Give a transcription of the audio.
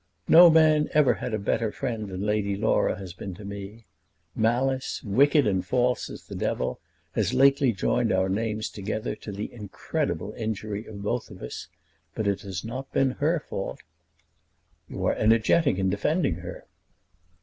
"No man ever had a better friend than Lady Laura has been to me. Malice, wicked and false as the devil, has lately joined our names together to the incredible injury of both of us; but it has not been her fault." "You are energetic in defending her."